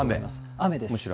雨です。